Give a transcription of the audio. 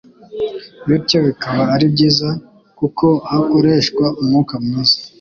bityo bikaba ari byiza kuko hakoreshwa umwuka mwiza